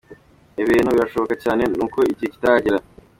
Ibi bintu birashoboka cyane, ni uko igihe kitaragera.